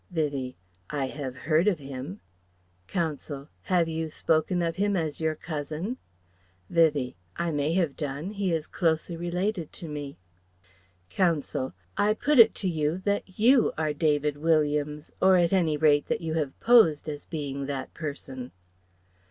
Vivie: "I have heard of him." Counsel: "Have you spoken of him as your cousin?" Vivie: "I may have done. He is closely related to me." Counsel: "I put it to you that you are David Williams, or at any rate that you have posed as being that person."